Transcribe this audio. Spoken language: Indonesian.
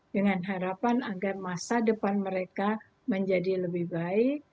dengan harapan agar masa depan mereka menjadi lebih baik